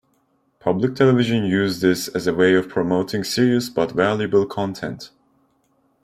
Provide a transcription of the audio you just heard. Public television use this as a way of promoting serious but valuable content.